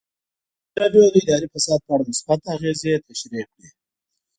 ازادي راډیو د اداري فساد په اړه مثبت اغېزې تشریح کړي.